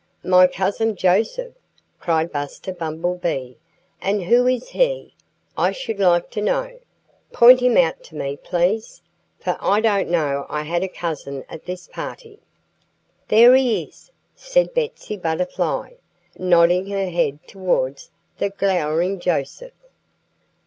"My cousin Joseph!" cried Buster Bumblebee. "And who is he, I should like to know? Point him out to me, please! For I didn't know I had a cousin at this party." "There he is!" said Betsy Butterfly, nodding her head towards the glowering Joseph.